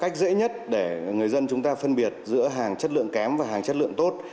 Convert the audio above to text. cách dễ nhất để người dân chúng ta phân biệt giữa hàng chất lượng kém và hàng chất lượng tốt